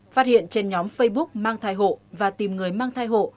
phát hiện trên nhóm facebook mang thai hộ và tìm người mang thai hộ